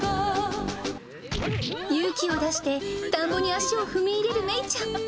勇気を出して、田んぼに足を踏み入れる芽衣ちゃん。